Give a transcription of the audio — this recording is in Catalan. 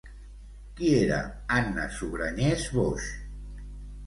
Qui era Anna Sugrañes Boix?